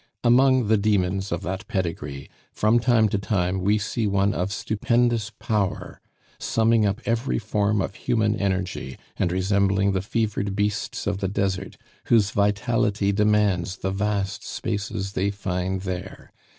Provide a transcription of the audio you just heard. Among the demons of that pedigree, from time to time we see one of stupendous power, summing up every form of human energy, and resembling the fevered beasts of the desert, whose vitality demands the vast spaces they find there.